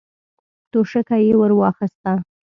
توشکه يې ور واخيسته.